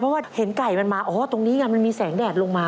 เพราะว่าเห็นไก่มันมาอ๋อตรงนี้ไงมันมีแสงแดดลงมา